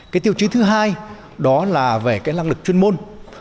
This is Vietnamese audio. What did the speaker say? cái tiêu chí thứ hai đó là về cái lăng lực chuyên môn